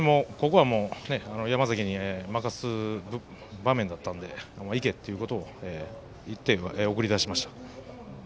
山崎に任す場面だったのでいけということを言って送り出しました。